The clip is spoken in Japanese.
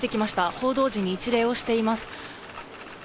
報道陣に一礼をしています。